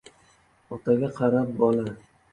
• Otaga qarab bola.